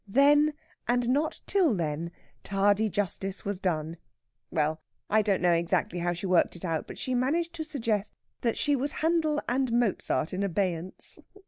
Then, and not till then, tardy justice was done.... Well, I don't know exactly how she worked it out, but she managed to suggest that she was Handel and Mozart in abeyance.